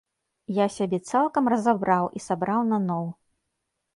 Я сябе цалкам разабраў і сабраў наноў.